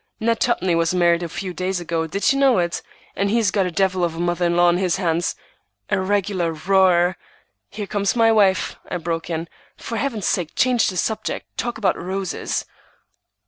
Ned Tupney was married a few days ago, did you know it? and he's got a devil of a mother in law on his hands, a regular roarer—" "Here comes my wife," I broke in. "For Heaven's sake, change the subject. Talk about roses!"